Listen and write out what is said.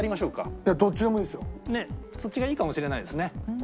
そっちがいいかもしれないですね。